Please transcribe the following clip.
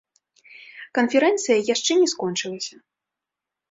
Канферэнцыя яшчэ не скончылася.